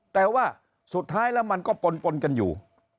แต่ว่าสุดท้ายแล้วมันก็ปนปนกันอยู่